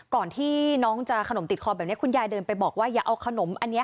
ก่อนที่น้องจะขนมติดคอแบบนี้คุณยายเดินไปบอกว่าอย่าเอาขนมอันนี้